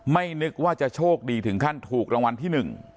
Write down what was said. นึกว่าจะโชคดีถึงขั้นถูกรางวัลที่๑